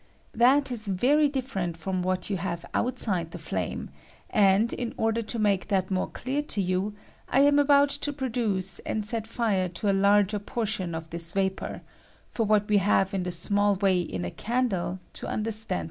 That is very dif ferent from what you have outside the flame ; [Olid, in order to make that more clear to you, I am about to produce and set fire to a larger portion of this vapor; for what we have in the pmiill way in a candle, to understand.